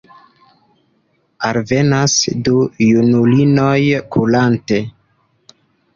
Alvenas du junulinoj kurante.